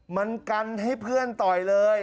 มันกันให้เพื่อนต่อยเลย